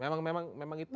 memang memang memang itu